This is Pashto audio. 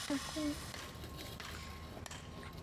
په ازادي راډیو کې د بانکي نظام اړوند معلومات ډېر وړاندې شوي.